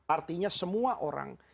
artinya semua orang